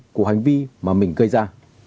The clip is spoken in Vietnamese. của hành vi mà mình gây ra